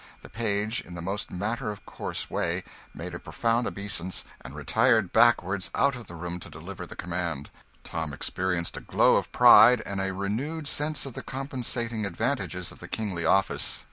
The page, in the most matter of course way, made a profound obeisance and retired backwards out of the room to deliver the command. Tom experienced a glow of pride and a renewed sense of the compensating advantages of the kingly office.